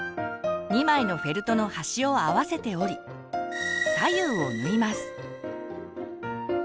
２枚のフェルトの端を合わせて折り左右を縫います。